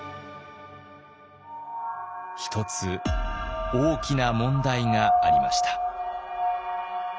一つ大きな問題がありました。